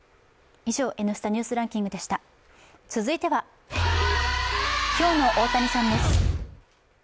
続いては今日の大谷さんです。